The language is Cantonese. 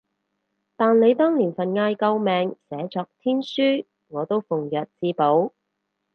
但你當年份嗌救命寫作天書，我都奉若至寶